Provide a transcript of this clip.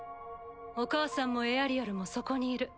お母さんもエアリアルもそこにいる。